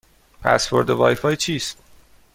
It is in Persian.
پسورد وای فای چیست؟